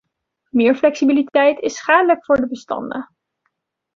Meer flexibiliteit is schadelijk voor de bestanden.